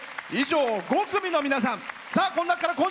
以上、５組の皆さん。